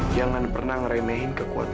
jangan pernah ngeremehin kekuatan